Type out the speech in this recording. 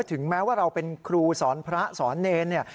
ถึงแม้ว่าเราเป็นครูสอนพระสอนเนรเนี่ย